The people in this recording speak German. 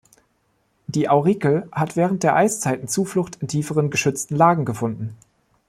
Die Aurikel hat während der Eiszeiten Zuflucht in tieferen, geschützten Lagen gefunden.